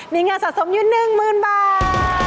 มีเงินสะสมอยู่๑๐๐๐บาท